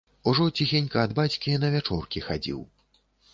Ужо ціхенька ад бацькі на вячоркі хадзіў.